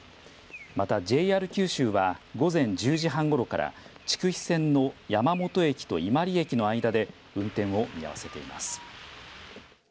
またＪＲ九州は午前１０時半ごろから筑肥線の山本駅と伊万里駅の間で運転を見合わせています。